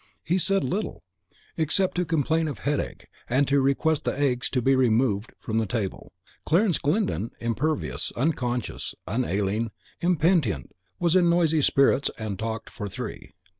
He said little, except to complain of headache, and to request the eggs to be removed from the table. Clarence Glyndon impervious, unconscious, unailing, impenitent was in noisy spirits, and talked for three.